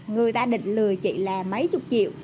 người ta định lừa chị là mấy chục triệu